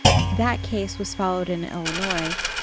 That case was followed in Illinois (97 Ill.